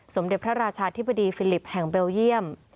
สมเด็จพระราชาธิบดีฟิลิปแห่งเบลเยี่ยม